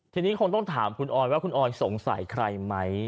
ทีนี้คงต้องถามคุณออยว่าคุณออยสงสัยใครไหม